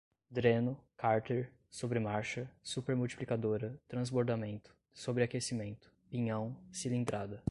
dreno, cárter, sobremarcha, supermultiplicadora, transbordamento, sobreaquecimento, pinhão, cilindrada